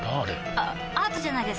あアートじゃないですか？